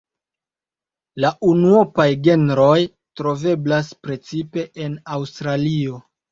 La unuopaj genroj troveblas precipe en Aŭstralio.